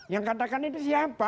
yang katakan itu siapa